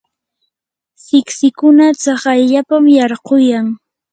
siksikuna tsakayllapam yarquyan.